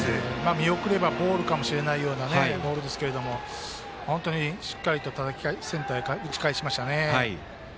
見送ればボールかもしれないようなボールですが本当にしっかりとセンターへ打ち返しましたね。